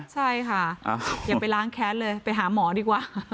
ใช่ค่ะอย่าไปล้างแค้นเลยไปหาหมอดีกว่า